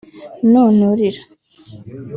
Ntunulira